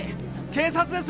警察です！